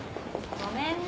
・ごめんね。